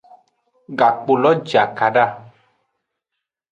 Gakpolo je akada.